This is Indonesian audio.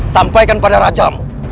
sampaikan pada rajamu